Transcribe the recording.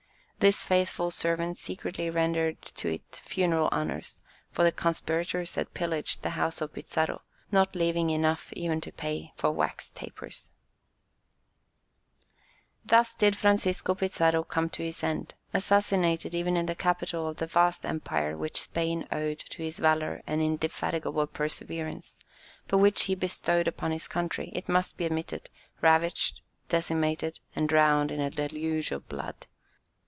This faithful servant secretly rendered to it funeral honours, for the conspirators had pillaged the house of Pizarro, not leaving enough even to pay for wax tapers. [Illustration: Death of Pizarro. From an old print.] Thus did Francisco Pizarro come to his end, assassinated even in the capital of the vast empire which Spain owed to his valour and indefatigable perseverance, but which he bestowed upon his country, it must be admitted, ravaged, decimated, and drowned in a deluge of blood.